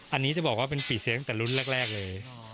อันนี้จะบอกว่าเป็นปีเซฟตั้งแต่รุ่นแรกเลย